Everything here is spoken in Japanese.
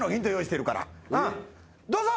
どうぞ！